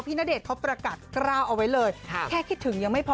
ณเดชนเขาประกาศกล้าวเอาไว้เลยแค่คิดถึงยังไม่พอ